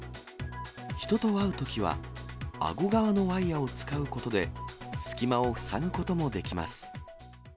人と会うときはあご側のワイヤを使うことで、隙間を塞ぐこともできます。